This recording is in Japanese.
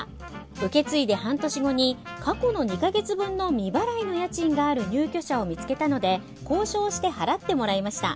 受け継いで半年後に過去の２か月分の未払いの家賃がある入居者を見つけたので交渉して払ってもらいました。